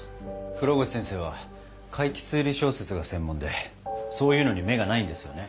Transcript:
黒越先生は怪奇推理小説が専門でそういうのに目がないんですよね。